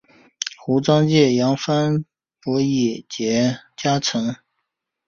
胡璋剑杨帆潘羿捷移佳辰